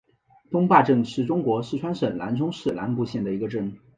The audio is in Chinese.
东坝镇是中国四川省南充市南部县的一个镇。